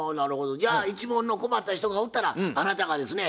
じゃあ一門の困った人がおったらあなたがですね